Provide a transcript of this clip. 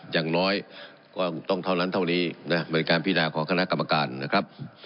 อย่างน้อยก็ต้องเท่านั้นเท่านี้นะเป็นการพินาของคณะกรรมการนะครับ